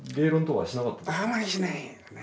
あんまりしないけどね。